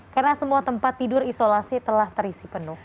karena semua tempat tidur isolasi telah terisi penuh